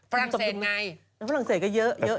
ฝรั่งเศสไงฝรั่งเศสก็เยอะอย่าง